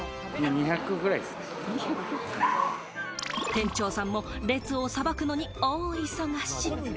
店長さんも列をさばくのに大忙し。